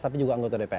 tapi juga anggota dpr